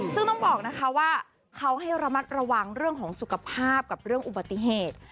ซึ่งต้องบอกนะคะว่าเขาให้ระมัดระวังเรื่องของสุขภาพกับเรื่องอุบัติเหตุ